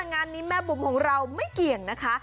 งานนี้แม่บุ๋มของเราไม่เกี่ยงนะคะ